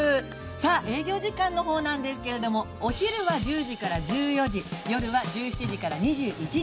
さあ営業時間のほうなんですけれども、お昼は１０時から１４時、夜は１７時から２１時。